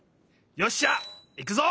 よっしゃ！いくぞ！